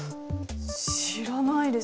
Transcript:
知らないですね。